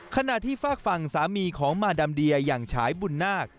ขณะที่ฝากฝั่งสามีของมาดามเดียอย่างฉายบุญนาค